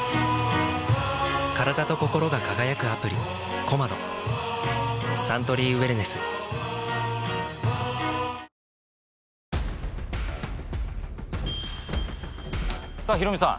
カラダとココロが輝くアプリ「Ｃｏｍａｄｏ」サントリーウエルネスさぁヒロミさん